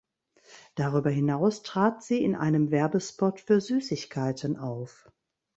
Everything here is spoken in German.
Darüber hinaus trat sie in einem Werbespot für Süßigkeiten auf.